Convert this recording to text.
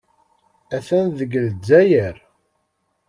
Atan deg Lezzayer.